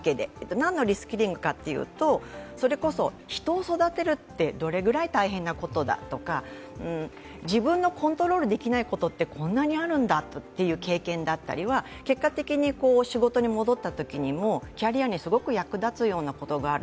何のリスキリングかというと人を育てるってどれくらい大変なことだとか自分のコントロールできないことってこんなにあるんだという経験だったりは結果的に仕事に戻ったときにもキャリアにすごく役立つようなことがある。